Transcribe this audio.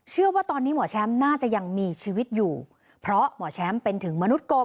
เชื่อว่าตอนนี้หมอแชมป์น่าจะยังมีชีวิตอยู่เพราะหมอแชมป์เป็นถึงมนุษย์กบ